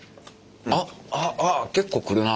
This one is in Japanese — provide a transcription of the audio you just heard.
あっあっあっ結構くるな。